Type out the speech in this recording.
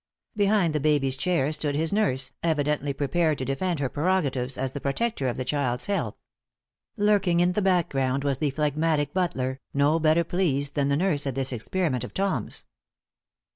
Behind the baby's chair stood his nurse, evidently prepared to defend her prerogatives as the protector of the child's health. Lurking in the background was the phlegmatic butler, no better pleased than the nurse at this experiment of Tom's.